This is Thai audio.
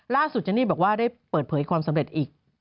ล่าสุดจันนี้บอกว่าได้เปิดเผยความสำเร็จอีก